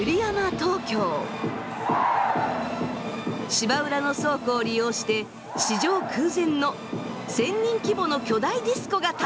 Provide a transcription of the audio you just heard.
芝浦の倉庫を利用して史上空前の１，０００人規模の巨大ディスコが誕生。